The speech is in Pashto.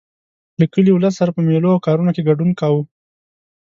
له کلي ولس سره په مېلو او کارونو کې ګډون کاوه.